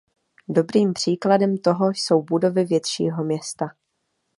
Dobrým příkladem toho jsou budovy většího města.